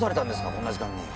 こんな時間に。